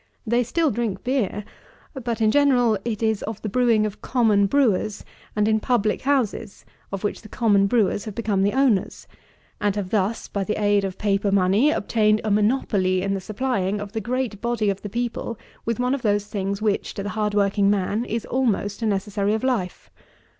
They still drink beer, but, in general, it is of the brewing of common brewers, and in public houses, of which the common brewers have become the owners, and have thus, by the aid of paper money, obtained a monopoly in the supplying of the great body of the people with one of those things which, to the hard working man, is almost a necessary of life.